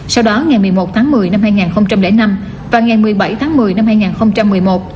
sau đó ngày một mươi một tháng một mươi năm hai nghìn năm và ngày một mươi bảy tháng một mươi năm hai nghìn một mươi một